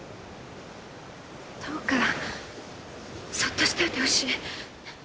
どうかそっとしておいてほしい。